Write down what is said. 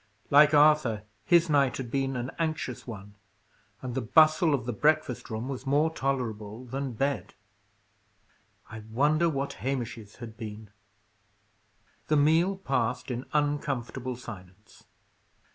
Like Arthur, his night had been an anxious one, and the bustle of the breakfast room was more tolerable than bed. I wonder what Hamish's had been! The meal passed in uncomfortable silence.